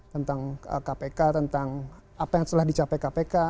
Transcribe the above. tentang kpk tentang apa yang telah dicapai kpk